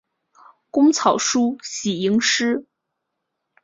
工草书喜吟诗。